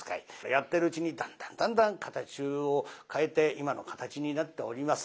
やってるうちにだんだんだんだん形を変えて今の形になっております。